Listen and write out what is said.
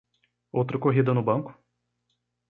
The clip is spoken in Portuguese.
Outra corrida no banco?